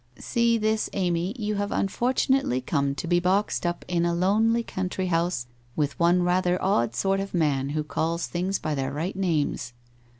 See this, Amy, you have unfortunately cotho to be boxed up in a lonely country house with one rather odd sort of man, who calls things by their right names.